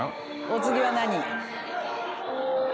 お次は何？